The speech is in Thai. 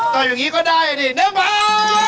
ตอบอย่างนี้ก็ได้อ่ะดิน้ำไม้